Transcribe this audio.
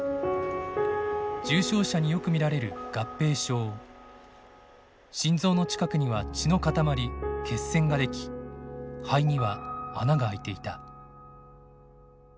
重症者によく見られる合併症心臓の近くには血の塊血栓が出来肺には穴が開いていた。